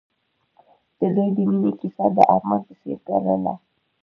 د دوی د مینې کیسه د آرمان په څېر تلله.